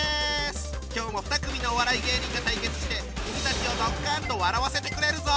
今日も２組のお笑い芸人が対決して君たちをドッカンと笑わせてくれるぞ！